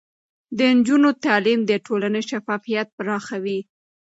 د نجونو تعليم د ټولنې شفافيت پراخوي.